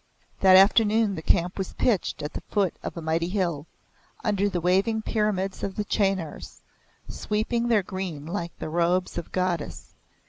That afternoon the camp was pitched at the foot of a mighty hill, under the waving pyramids of the chenars, sweeping their green like the robes of a goddess.